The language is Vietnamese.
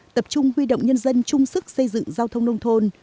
tập trung huy động nhân dân chung sức xây dựng giao thông nông thôn